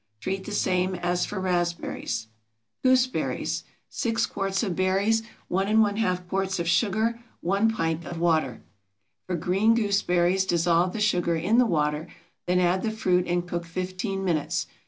Treat the same as for raspberries. GOOSEBERRIES. 6 quarts of berries. 1½ quarts of sugar. 1 pint of water. For green gooseberries dissolve the sugar in the water, then add the fruit and cook fifteen minutes.